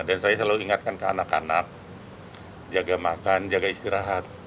dan saya selalu ingatkan ke anak anak jaga makan jaga istirahat